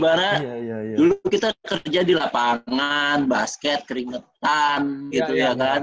bara dulu kita kerja di lapangan basket keringetan gitu ya kan